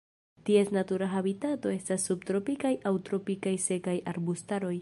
Ties natura habitato estas subtropikaj aŭ tropikaj sekaj arbustaroj.